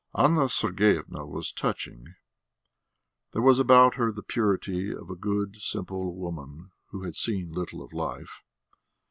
Anna Sergeyevna was touching; there was about her the purity of a good, simple woman who had seen little of life.